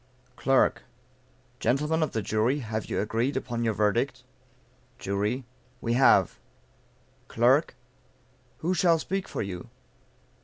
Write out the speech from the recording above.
Clerk. Gentlemen of the Jury, have you agreed upon your verdict? Jury. We have. Clerk. Who shall speak for you?